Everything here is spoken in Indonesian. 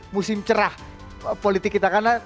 musim cerah politik kita karena